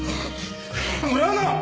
俺はな！